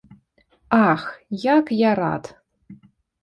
Ах, як я рад!